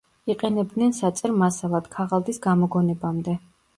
იყენებდნენ საწერ მასალად ქაღალდის გამოგონებამდე.